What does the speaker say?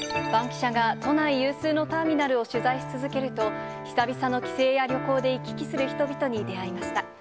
バンキシャが、都内有数のターミナルを取材し続けると、久々の帰省や旅行で行き来する人々に出会いました。